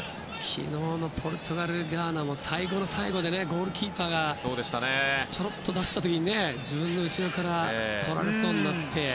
昨日のポルトガルとガーナも、最後の最後でゴールキーパーがちょろっと出した時に自分の後ろからとられそうになって。